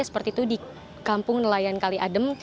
seperti itu di kampung nelayan kali adem